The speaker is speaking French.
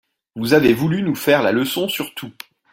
Vous avez voulu nous faire la leçon sur tout.